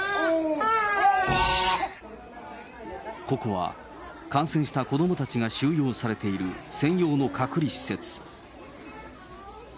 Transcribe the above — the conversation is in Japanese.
ここは感染した子どもたちが収容されている専用の隔離施設。